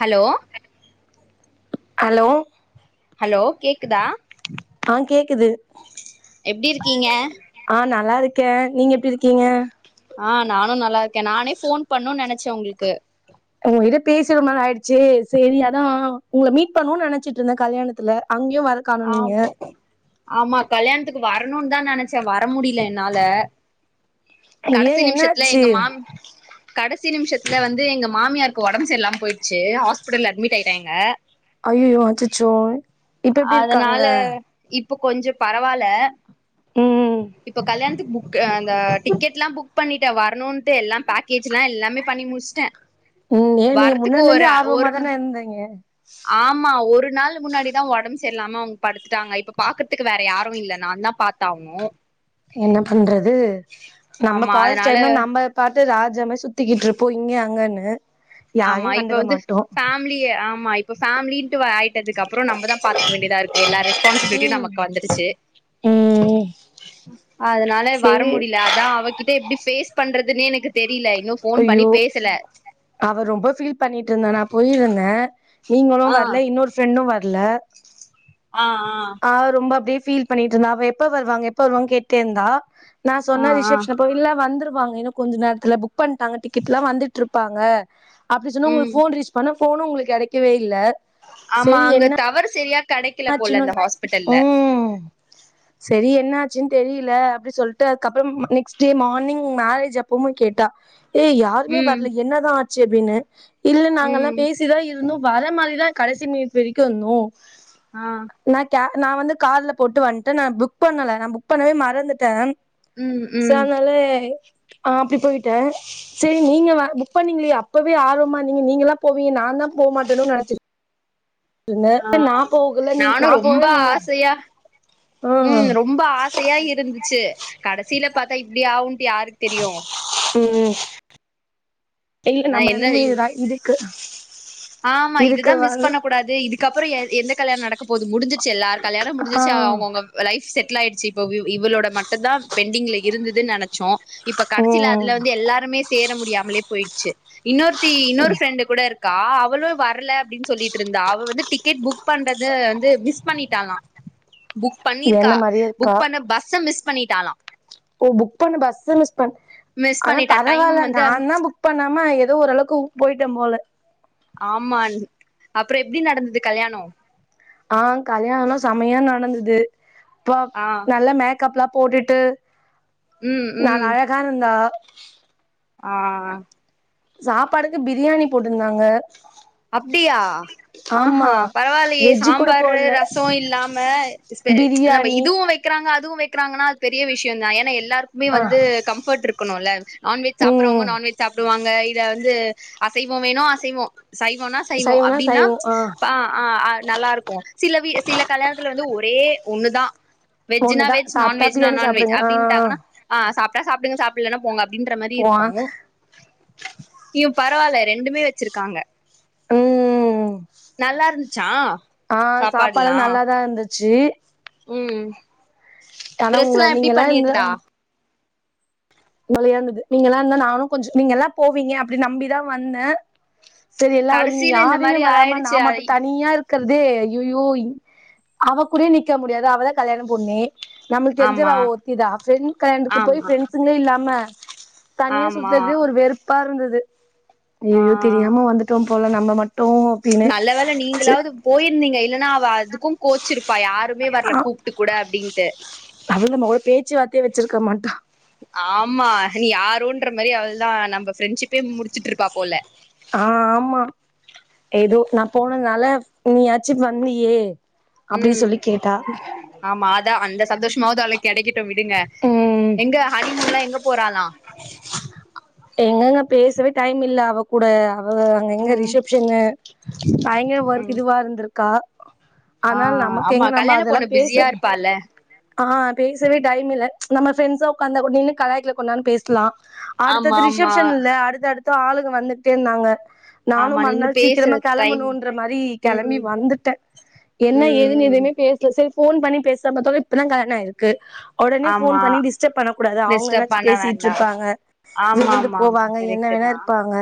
hello hello hello கேக்குதா ஆ கேக்குது எப்டி இருக்கீங்க ஆ நல்லா இருக்கே நீங்க எப்டி இருக்கீங்க ஆ நானு நல்லா இருக்கே நானே ஃபோன் பண்ணுனு நெனச்சே உங்களுக்கு உங்ககிட்ட பேசி ரொம்ப நாள் ஆயிடுச்சு செரி அதா உங்கள மீட் பண்ணுன்னு நெனச்சிட்டு இருந்த கல்யாணத்துல அங் கயு வரக்கானோ ஆ நீங்க ஆமா கல்யாணத்துக்கு வரணுனுதா நெனைச்சே வர முடில என்னால ஏ கடைசி நிமிஷத்துல என்னாச்சு எங்க மாம் கட கடைசி நிமிஷத்துல வந்து எங்க மாமியாருக்கு ஒடம்பு சரி இல்லாம போயிருச்சு ஹாஸ்பிட்டல்ல அட்மிட் ஆயிட்டாங்க அய்யய்யோ அச்சச்சோ இப்ப எப்டி இருக்காங்க அதனால இப் போ கொஞ்சோ பரவால்ல ம் இப்ப கல்யாணத்துக்கு புக் அந்த டிக்கெட் எல்லாம் புக் பண்ணிட்டே வரணுன்ட்டு எல்லா பேக்கேஜ் எல்லா எல்லாமே பண்ணி முடிச்சுட்டே ம் ஏ நீங்க வரத்துக்கு முன்னாலந்தே ஒரு ஒரு ஆர்வமாதானே இருந்தீங்க ஆமா ஒரு நாள் முன்னாடிதா ஒடம்பு சரியில்லாம அவுங்க படுத்துட்டாங்க இப்ப பாக்கறதுக்கு வேற யாரு இல்ல நான்தா பாத்தாகணு என்ன பண்றது நம்ம ஆமா காலேஜ் அதனால டைம்ல நம்ம பா ட்டு ராஜாமா சுத்திக்கிட்டு இருப்போ இங்க அங்கனு ஆமா இப்ப வந்து ஃபேமிலி ஆமா இப்ப ஃபேமிலின்ட்டு ஆய்ட் டதுக்கப்பறோ நம்மதா பாத்துக்க வேண்டியதா இருக்கு எல்லா ரெஸ்பான்சிபிலிட்டியு நமக்கு வந்துருச்சு ம் அதனால வர சேரி முடில அதா அவகிட்ட எப்டி ஃபேஸ் பண்றதுனே எனக்கு தெரில அய்யோ அவ ரொம்ப ஃபீல் பண்ணிட்டு இருந்தா நா போயிருந்தே நீங்களு ஆ வர்ல இன்னொரு ஃப்ரெண்டு வர்ல ஆ ஆ ஆ அவ ரொம்ப அப்டியே ஃபீல் பண்ணிட்டு இருந்தா அவ எப்ப வருவாங்க எப்ப வருவாங்கணு கேட்டே இருந்தா நா ஆ சொன்ன ஆ ரிசப்ஷன் அப்போ இல்ல வந்துருவாங்க இன்னு கொஞ்ச நேரத்துல பு க் பண்ட்டாங்க டிக்கட்ல்லா வந்துட்டு இருப்பாங்க அப்டி சொன்னா ம் உங்களுக்கு ஃபோன் ரீச் பண்ணா ஃபோனு உங்களுக்கு கெடைக்கவே இல்ல ஆமா அங்க டவறு சரியா கெடைக்கல போல என்னாச்சுனு அந்த ஹாஸ்பிட்டல்ல ம் சரி என்னாச்சுன் தெரில அப்டி சொல்ட்டு அதுக்கப்புறம் நெக்ஸ்ட் டே மார்னிங் மேரேஜ் அப்பமும் கேட்டா ஏய் யாருமே ம் வர்ல என்னதா ஆச்சு அப்டின்னு இல்ல நாங்கெல்லா ம் பேசிதா இருந்தோ வர மாதிரிதா கடைசி மீட் வரைக்கு இருந்தோ ஆ நா க நா வந்து கார்ல போட்டு வந்துட்டே நா புக் பண்ணல நா புக் பண்ணவே மறந்துட்ட ம் ம் சாங்கலெ ஆ அப்படி போயிட்ட சரி நீங்க புக் பண்ணீங்களே அப்பவே ஆர்வமா நீங்க நீங்கலா போவீங்க நா தா ந தா போ மாட்டனோ நினச்ச ஆ நீ நானு நா ரொம்ப போல நீங்க ஆசையா ஆ உம் ரொம்ப ஆசையா இருந்துச்சு கடைசியில பார்த்தா இப்படி ஆவு யாருக்கு தெரியு ம் இல்ல ஆ நம்ம என்ன எனிமி ராய் இதுக்கு ஆமா இதுதா மிஸ் வந்து பண்ண கூடாது இதுக்கப்பறம் எ எந்த கல்யாண நடக்க போது முடிஞ் ச்சு எல்லார் கல்யாணம் ஆ முடிஞ்சிச்சு அவ அவுங்க லைஃப் செட் டில் ஆய்ச்சு இப்வ் இவளோட மட்டும்தா பெண்டிங்ல இருந்ததுன்னு நினைச்சோ இப்ப கடைசில அதுல ம் வந்து எல்லாருமே சேர முடியாமலே போயிடுச்சு இன்னொரு தி இன்னொரு ஃப்ரெண்டு் கூட இரு அவளு வரல அப்படின்னு சொல்லிட்டு இருந்தா அவ வந்து டிக்கெட் புக் பண்றது வந்து மிஸ் பண்ணிடலா புக் என்ன பண்ணிருக்கா மாரியே இருக்கா புக் பண்ண பஸ்ஸ மிஸ் பண்ணிட்டாலா ஓ புக் பண்ண பஸ்சா மிஸ் பண் மிஸ் ஆனா பண்ணிட்டா டைம் பரவால்ல நா வந்து தா புக் பண்ணாம ஏதோ ஓரளவுக்கு போயிட்ட போல ஆமா அப்றம் எப்டி நடந்தது கல்யானோ ஆ கல்யாணம் சமையா நடந்தது ப ஆ நல்ல மேக்கப்லா போட்டுட்டு ம் நல் ம் அழகா இருந்த ஆ சாப்பாடுக்கு பிரியாணி போட்டுருந்தாங்க அப்படியா ஆ அ ஆமா பரவாலெயே வெஜ்ஜு கூட சாம்பரு போடல ரசசொ இல்லாம நம்ம பிரியாணி இதுவு வைக்கிறாங்க அ துவு வைக்கிறாங்கன்னா அது பெரிய விஷயம் தா ஏன்னா எல்லாருக்குமே ஆ வந்து கம்ஃபர்ட் இருக்கணுல நான்வெஜ் ம் சாப்பிடுறவங்க நான்வெஜ் சாப்பிடுவாங்க இத வந்து அசைவம் வேணு அசைவம் சைய்வோனா சைய்வோ சைவம்னா அப்படின்னா சைவம் ஆ அ நல்லா இருக்கும் சில வி சில கல்யாணத்துல வந்து ஒரே ஒண்ணுதா வெஜ்னா ஒண்ணுதான் வெஜ் சாப்ட்டா நான்வெஜ்னா பிரியாணி நான்வெஜ் சாப்டுங்க ஆ ஆ அப்டின்டங்கன்னா ஆ சாப்ட் டா சாப்டுங்க சாப்புலன்னா போங்க அப்படின்ற மாரி போவா இருக்கு யு பரவால்ல ரெண்டுமே வச்சிருக்காங்க உம் நல்லா இருந்துச்சா ஆ சாப்பாடு எல்லா சாப்பாடுலா நல்லாதா இருந்துச்சு ம் ஆனா உங்கள ட்ரெஸ்லா எப்டி நீங்க எல்லா இருந்தா பண்ணிருந்தா மழையா இருந்து நீங்க எல்லா இருந்தா நானு கொஞ் நீங்க எல்லா போவீங்க அப்டின் நம்பிதா வந்த சேரி எல்லா வருவீங்க கடசில இந்த யாருமே மாரி வராம நா ஆயிடுச்சு ஐ மட்டு தனியா இ ருக்கறதே அய்யயோ அவ கூடயு நிக்க முடியாது அவதா கல்யாண பொண்ணே நம்முளுக் தெரிஞ்சவ ஆமா அவ ஒருத்திதா ஃப்ரண்ட் கல்யாணத்துக்கு போய் ஆமா ஃப்ரண்ட்ஸ் லாம தனியா ஆமா சுத்தற்தே ஒரு வெறுப்பா இருந்துது ஆ அய்யய்யோ தெரியாம வந்துட்டோ போல நம்ம மட் நல்ல வேல நீங்களாவது போயிருந்தீங்க இல்லனா அவ அதுக் க்கு கோச்சிருப்பா யாருமே வரல கூப்ட்டு கூட அப்டின்ட்டு ச்சிருக்க மாட்டா ஆம்மா நீ யாரோன்ற மாரி அவள்தா நம்ப ஃப்ரெண்ட்ஷிப்பே முடிச்சுட்ருப்பா போல ஆ ஆமா நீ யாச்சி வந்தியே அப்டின் சொல்லி கேட்டா தா அந்த சந்தோஷமாவது அவளுக் கெடைக்கட்டு விடுங்க ம் எங்க ஹனிமூன்லா எங்க போறாலா எங்கங்க பேசவே டைம் இல்ல அவ கூட அவ அங்க எங்க ம் ரிசப்ஷன்னு பயங்கர ஒர்க் ம் இதுவா இருந்திருக்கா ஆ ஆனா நமக்கு ஆமா எங்க நம்ம கல்யாண அதெல்லா பொண்ணு பேச பிஸியா இருப்பால்ல ஆ பேசவே டைம் இல்ல நம்ம ஃப்ரெண்ட்ஸா உக்காந்தா கூட நில்லு கலாய்க்லா கொன்னானு பேஸ்லா ஆமா அடுத்தது ஆமா ரிசப்ஷன் இல்ல அடுத்தடுத்து ஆளுக வந்துக்ட்டே இருந்தாங்க நானு ஆமா நின்னு மறுநாள் பேசுற சீக்கிரமா டைம் கெளம்பணுன்ற மாரி கெளம்பி ம் வந்துட்டே என்ன ஏதுன் ம் எதுமே பேஸ்ல சேரி ஃபோன் பண்ணி பேஸ்லா பாத்தோனா இப்பதா கல்யாண ஆயிருக்கு ஒடனே ஆமா ஃபோன் பண்ணி டிஸ்டர்ப் பண்ணக் கூடாது அவுங்க டிஸ்டர்ப் என்னாச்சு பண்ண வேண்டா பேசிட்டிருப்பாங்க ஆமா விருந்து ஆமா ஆமா போவாங்க என்ன கரெக்ட் ங்கதா தா இருப்பாங்க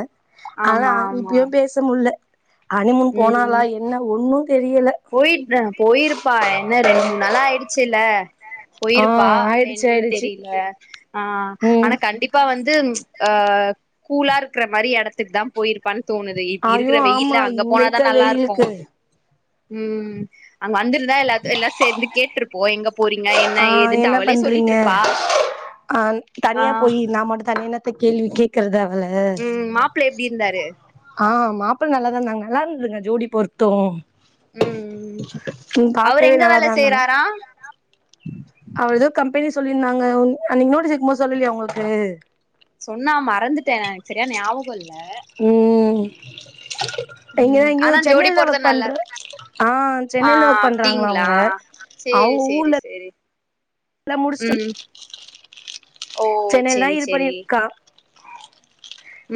ஆனா ஆமா அங் ஆமா இப்பயு பேச முட்ல அனிமூன் போனாளா ம் என்ன ஒன்னு தெரியல போயிட் அ போயிருப்பா என்ன ரெண்டு மூண் நாளா ஆயிடுச்சுல்ல ஆ போயிருப்பா ஆயிடுச்சு என்னனு ஆயிடுச்சு தெரியில ஆ ம் ஆனா கண்டிப்பா வந்து அ கூலா இருக்குற மாரி எடத்துக்கு தா போயிருப்பான் தோணுது இர் ஐயோ இருக்குற வெயில்ல ஆமா அங்க இங்க போனாதா இருக்க நல்லா இருக்கு வெயிலுக்கு ம் அங் வந்திருந்தா எல்லாத் எல்லா சேர்ந்து கேட்ருப்போ எங்கப் ஆ என்ன பண்றீங்க ஆ ஆ தனியா போயி நா மட்டு தனியானாத் இப்ப கேள்வி கேக்குறதா அவல ம் மாப்ள எப்டி இருந்தாரு ஆ மாப் இப்ப நல்லாதா இருந்தாங்க நல்லா இருந்ததுங்க ஜோடி பொருத்தோ ம் ம் அவரு பாக்கவே எங்க வேல நல்லாதா இருந்தாங்க செய்றாரா அவ எதோ கம்பெனி சொல்லிருந்தாங்க உன் அன்னைக்கு நோட்டீஸ் எடுக்கும் போது சொல்லலையா உங்களுக்கு சொன்னா மறந்துட்டே எனக்கு செரியா ஞாபகோ இல்ல ம் இங்கதா ம் எங்கயோ ஆனா ஜோடி சென்னைல தா போறது ஒர்க் பண்ற நல்லாருக்கு ஆ ஆ சென்னைல்தா ஒர்க் பண்றாங்களா அப்டிங்ளா அவுங்க சேரி அவுங்க சேரி ஊர்ல சேரி எல்லா முடிச்ட்டோ ம் ஓ சென்னையில்தா சேரி இது சேரி பண்ணிருக்கா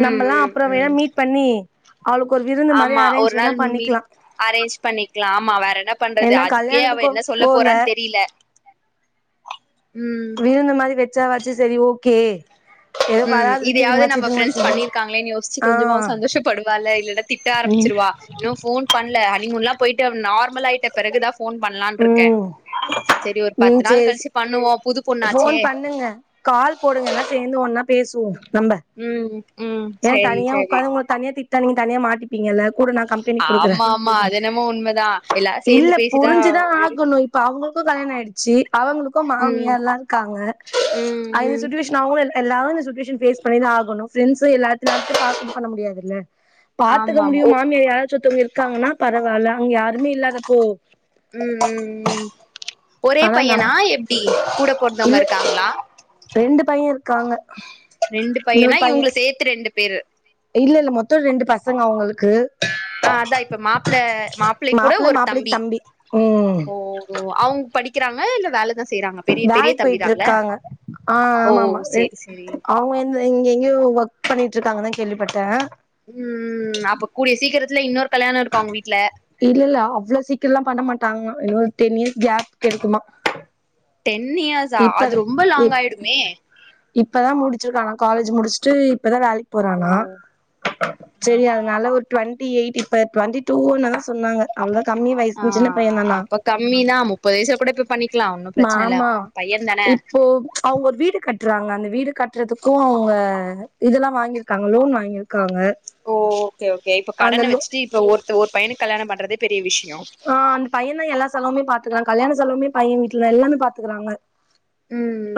ம் நம்பலா ம் அப்றோ வேனா ம் மீட் பண்ணி அவளுக்கு ஒரு விருந்து மாரி ஆமா ஒரு அரேஞ்ச் வேணா நாள் மீட் பண்ணிக்கலா அரேஞ்ச் பண்ணிக்லா ஆமா வேற என் ன்ன பண்றது ஏன்னா அதுக்கே அவ கல்யாணத்துக்கு என்ன சொல்ல போல போறான் தெரிய்ல நீயு இந்த மாரி வெச்சா வாச்சு சேரி ஓகே ஏதோ ம் வராததுக்கு இதயாவ்து இதுங்களாச்சு நம்ப ஃப்ரெண்ட்ஸ் இதுங்களாச்சு பண்ணிருக்காங்ளேன் யோசிச்சு ஆ கொஞ்சமா சந்தோஷப்படுவால இல்லனா திட்ட ம் ஆரம்ச்சிரு வா இன்னு ஃபோன் பண்ல ஹனிமூன்லா போய்ட்டு அவ நார்மலாய்ட்ட பெறகுதா ஃபோன் பண்லான்ட்ருக்கே ம் ம் சேரி சே புது ஃபோன் பொண்ணாச்சே பண்ணுங்க கால் போடுங்க எல்லா சேந்து ஒன்னா பேசுவோ நம்ப ம் ம் ஏ செரி தனியா செரி உக்காந்து உங்கள தனியா திட்டா நீங்க தனியா மாட்டிப்பீங்கல்ல கூட நான் கம்பெனி குடுக்குறேன் ஆமாம்மா அதென்னமோ உண்மதா எல்லாரு சேந்து பேசிட்டா ஞ்சுதா ஒரு ஆகணு இப்ப அவ்ங்களுக்கு கல்யாண ஆய்டுச்சு அவங்களுக்கு ம் மாமியால்லா இருக்காங்க ம் அ இந்த ம் சுட்டுவேஷன் அவ்ங்களு எல்லா எல்லாரு இந்த சுட்டுவேஷன் ஃபேஸ் பண்ணிதா ஆகணு ஃப்ரெண்டஸு எல்லாத்துல்லாருக்கு காசு இது பண்ண முடியாதுல்ல பாத்துக்க ஆமா ஆமா முடியு ஓ மாமியா யாரா சொத்தவ்ங்க இருக்காங்கனா பரவால்ல அங்க யாருமே இல்லாதப்போ ம் ம் ம் ஒரே ஆனா நம் பையனா எப்டி கூட பொறந்தவ்ங்க இல்ல இருக்காங்ளா ரெண்டு பைய இருக்காங்க ரெண்டு பையனா இன்னொரு பையன் இவ்ங்கள சேத்து ரெண்டு பேரு இல்ல இல்ல மொத்த ரெண்டு பசங்க அவ்ங்களுக்கு ஆ அதா இப்ப மாப்ள மாப்ளைக் கூட மாப்பிள்ள ஒரு தம்பி மாப்பிள்ளைக்கு ம் ஓ அவ்ங்க படிக்கிறாங்க இல்ல வேல வேலைக்கு போயிட்ருக்காங்க ஆ ஓ ஆமாம்மா என் சேரி சேரி அவ்ங்க வந்து இங்கெ எங்கெயோ ஒர்க் பண்ணிட்ருக்காங்க தா கேள்விப்பட்டே ம் அப்ப கூடிய சீக்கிரத்துல இன்னொரு கல்யாணோ இருக்கு அவங்க வீட்ல இல்ல இல்ல அவ்ளோ சீக்கிரலா பண்ண மாட்டாங்ளா இன்னொரு டென் இயர்ஸ் கேப் கெடைக்குமா டென் இயர்ஸா இப்ப அது ரொம்ப லாங்காய்டுமே இப்பதா முடிச்சிருக்காங்க காலேஜ் முடிச்ட்டு இப்பதா வேலை ஓ போறானா ஆ செரி அதனால ஓகே ஒரு டுவென்டி எயிட் இப்ப டுவெண்டி டூன் சொன்னாங்க அவள ஆ அப்ப கம்மிதா முப்பது வயசுலா கூட இப்ப பண்ணி ஆமா இப்போ அவங்க ஒரு வீடு கட்டுறாங்க அந்த வீடு கட்டுறதுக்கு அவங்க இதெல்லா வாங்கிருக்காங்க லோன் வாங்கியிருக்காங்க ஓ ஓகே ஓகே இப்ப அந்த கடனை லோ வச்சுட்டு இப்ப ஒருத்த ஒரு பையனு கல்யண பண்றதே பெரிய விஷ ஆ அந்த பையன் தான் எல்லா செலவுமே பாத்துக்கிறா கல்யாண செலவுமே பையன் வீட்டுல எல்லாமே பாத்துக்கிறாங்க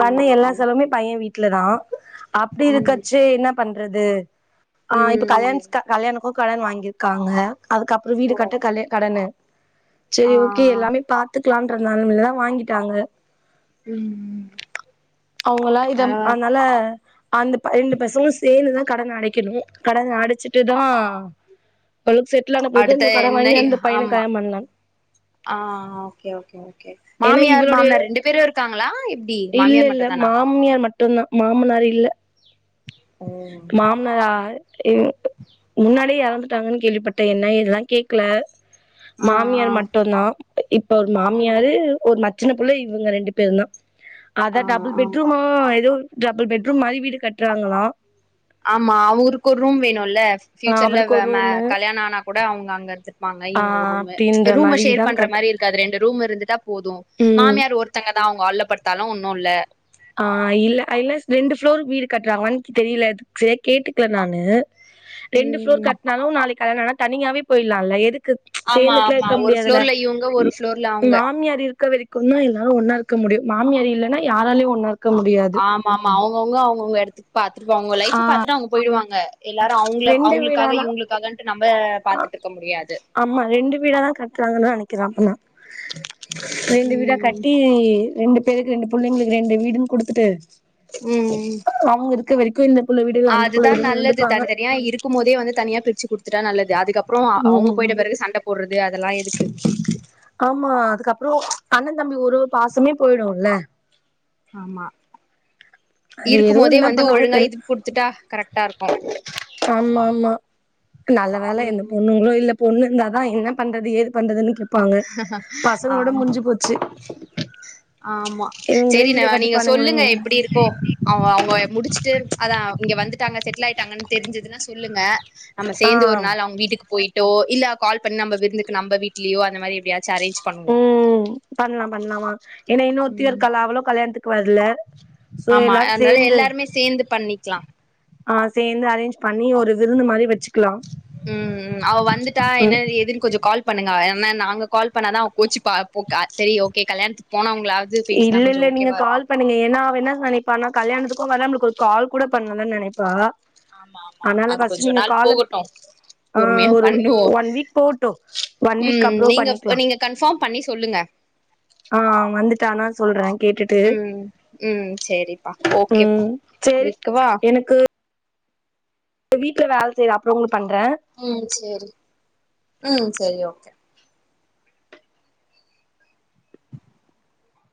பண்ண எல்லா செலவுமே பையன் வீட்டுலதா அப்படி ம் இருக்காச்சு என்ன பண் றது ஆ இப்ப கல்யாண ம் கல்யாணக்கும் கடன் வாங்கியிருக்காங்க அதுக்கப்புறம் வீடு ஓ கட்ட கல் கடனு ஆ சரி ஓகே எல்லாமே பாத்துக்கலான்ற நெலமில வாங்கிட்டாங்க ம் அவங்கா ஆ இதம் அதனால அந்த ரெண்டு பசங்களு சேர்ந்துதா கடன்னை அடைக்கணு கடன்னா அடைச்சிட்டுதா அவளுக்கு செட்டில்ஆன பொகு அடுத்த இன்னும் கடன் என்ன வாங்கி அந்த பையனை ஆமா கல்யாண பண்ணலா ஆ ஓகே ஓகே ஓகே ஏன்னா மாமியார் இவளுடைய மாமனார் ரெண்டு பேரும் இருக்காங்களா எப்டி இல்ல மாமியார் மட் இல்ல மாமியார் மட்டும்தா மாமனார் இல்ல மாமனார் முன்னாலே இறந்துட்டாங்கன்னு கேள்விப்பட்டே என்ன இதெல்லா கேக்கல ஆ மாமியார் மட்டம்தா இப்ப ஒரு மாமியார் ஆ ஒரு ம சின்ன பிள்ள இவங்க ரெண்டு பேரு தா ஆ அதா டபுள் ஆ பெட்ரூமா ஏதோ டபுள் பெட்ரூம் மாரி வீடு கட்டுறாங்களா ஆமா அவருக்கு ஒரு ரூம் வேணு ல்ல ஆ பியூச்சர்ல அவருக்கு ஒரு ரூமு கல்யாண ஆனா கூட அவங்க அங்க இருப்பாங்க ஆ இவங்க ரூம் அப்டின்ற ரூம்மா ஷேர் மாரிதா பண்ற கட் மாதிரி இருக்காது ரெண்டு ரூம் இருந்துடா போதும் ம் மாமியார் ஒருத்தங்க தான் அவங்க ஹல்ப்படுத்தாலு ஒன்னு இல்ல ஆ இல்ல இல்ல ரெண்டு பப்ளோர் வீடு கட்டுறாங்க தெரியல செறியா கேட்டுக்கல நானு ரெண்டு பிளோர் ம் கட்டனாலும் நாளைக்கு கல்யாண ஆன தனியாவே போயிடலால்லை எதுக்கு ஆமா சேர்ந்துட்டுல ஆமா இருக்க ஒரு முடியாதுல ஃப்ளோர்ல இவங்க ஒரு ஃப்ளோர்ல அவங்க மாமியார் இருக்க வரைக்கும் எல்லாரும் ஒன்னா இரு முடியும் மாமியார் இல்லன்ன யாராலையும் ஒன்னா முடியாது ஆமா ஆமா அவங்கவுங்க அவங்கவுங்க இடத்துக்கு பாத்துட்டுப்பாங்க லைப் பாத்துட்டு அவங்க போயிடுவாங்க எல்லாரு அவங்க ரெண்டு அவங்களுக்காக வீடாதா இவங்களுக்காகன்ட்டு நம்ம பாத்துட்டு இருக்க முடியாது ஆமா ரெண்டு வீடாதா கட்டுறாங்கன்னு நினைக்கிறா அப்பனா ரெண்டு வீடா ம் கட்டி ரெண்டு பேருக்கு ரெண்டு பிள்ளைங்களுக்கு ரெண்டு வீடுன்னு குடுத்துட்டு அவங்க இருக்க வரைக்கு இந்த புள்ள வீடு இல்ல அந்த புள்ள அதுதான் வீடுன்னு நல்லது இருந்துப்பாங்க தனித்தனியா இருக்கும் போதே வந்து தனியா பிரிச்சு குடுத்துட்டா நல்லது அதுக்கப்புற அவங்க ம் போயிட்ட பிறகு சண்டை போடுறது அதெல்லா எதுக்கு அண்ணன் தம்பி உறவு பாசமே போயிடும்ல ஆமா அது இருக்கும் ஏதோ போதே என்ன வந்து பண்ணுவாங்க ஒழுங்கா தெர்ல இது குடுத்துட்டா கரெக்டா இருக்கு ஆமா ஆமா நல்ல வேலை என்ன ம் பொண்ணுங்களோ இல்ல பொண்ணு இருந்தாதா என்ன பண்றது ஏது பண்றதுன்னு கேப்பாங்க பசங்களோட ஆமா முடிஞ்சு போச்சு ஆமா இவுங்களே சரி ந வீட நீங்க கட்டிப்பானுங்களே சொல்லுங்க இவுங்க எப்படி இருக்கோ அவங் அவங்க முடிச்சுட்டு அதா இங்க வந்துட்டாங்க செட்டில் ஆயிட்டாங்கன்னு தெரிஞ்சுதுன்னா சொல்லுங்க நம்ம ஆ சேர்ந்து ஒரு நாள் அவங்க வீட்டுக்கு போயிட்டோ இல்ல கால்பண்ணி விருந்துக்கு நம்ம வீட்டுலேயோ அந்த மாரி எப்பயாச்சு உம் பண்ணலாம் பண்ணலாமா ஏன்னா இன்னும் ஒருத்தி இருகல அவளு கல்யாணத்துக்கு வரல ஆமா அன்தால் எல்லாருமே சேந்து பண்ணிக்கலாம் ஆ சேந்து அரேஞ்ச் பண்ணி ஒரு விருந்து மாதிரி வச்சு உம்ம் அவள் வந்துட்டா என்ன ம் ஏதுன்னு கொஞ்ச கால் பண்ணுங்க என்னா நாங்க கால் பண்ணாதா அவ கோச்சு சரி ஓகே கல்யாணத்துக்கு போன அவங்க இல்ல இல்ல நீங்க கால் பண்ணீங்க ஏனா வேண நினைப்பா நான் கல்யாணத்துக்கு வரேலா நமளுக்கு ஒரு கால் கூட பண்ணலனு நினைப்பா ஆமா ஆமா அனால அது பர்ஸ்ட் கொஞ்ச நீங்க நாள் கால ப் போகட்டு ஆ பொறுமையா ஒரு பண்ணுவோ ஒன் வீக் போடும் ஒன் வீக் ம் அப்பறம் நீங்க பண்ணிக்கலா நீங்க கன்ஃபார்ம் பண்ணி சொல்லுங்க ஆ வந்துட்டானா சொல்ற கேட்டுட்டு ம் ம் சரிப்பா ஓகேப்பா ம் செரி வைக்கவா எனக்கு வீட்ல வேல செய்ற அப்புறோ உங் ம் சேரி ம் சேரி ஓகே